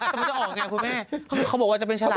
แต่มันจะออกไงคุณแม่เขาบอกว่าจะเป็นฉลาด